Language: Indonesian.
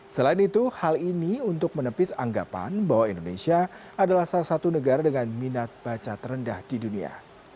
selain itu hal ini untuk menepis anggapan bahwa indonesia adalah salah satu negara dengan minat baca terendah di dunia